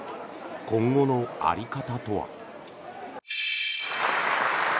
今後の在り方とは。